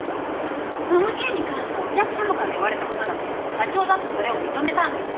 その件に関してはお客さまから言われたことだし社長だってそれを認めたんですよ。